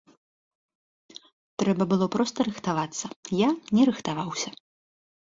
Трэба было проста рыхтавацца, я не рыхтаваўся.